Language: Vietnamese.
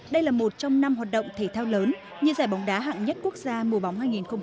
đây là một trong năm hoạt động thể thao lớn như giải bóng đá hạng nhất quốc gia mùa bóng hai nghìn hai mươi